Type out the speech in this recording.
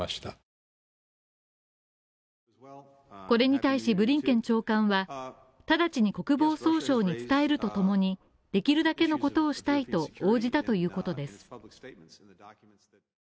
これに対しブリンケン長官は直ちに国防総省に伝えるとともに、できるだけのことをしたいと応じたということです。